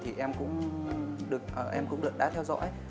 thì em cũng được đã theo dõi